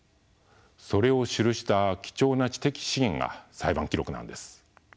それを記した貴重な知的資源が裁判記録なんです。